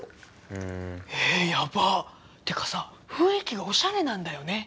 ふーんえヤバってかさ雰囲気がオシャレなんだよね